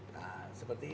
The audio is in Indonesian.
nah seperti ini